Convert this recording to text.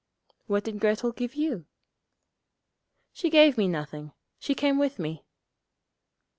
'What did Grettel give you?' 'She gave me nothing. She came with me.'